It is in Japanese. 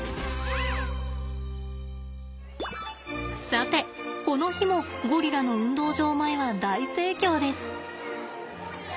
さてこの日もゴリラの運動場前は大盛況です。